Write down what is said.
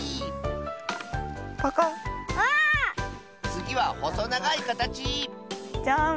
つぎはほそながいかたちジャーン。